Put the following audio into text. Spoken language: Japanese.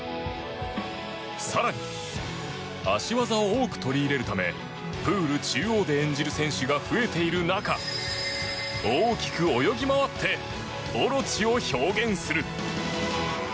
更に、脚技を多く取り入れるためプール中央で演じる選手が増えている中、大きく泳ぎ回ってオロチを表現する。